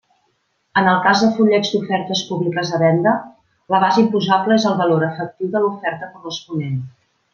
En el cas de fullets d'ofertes públiques de venda, la base imposable és el valor efectiu de l'oferta corresponent.